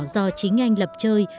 do chính anh lập chơi